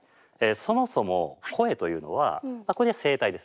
そもそも声というのはここにある声帯ですね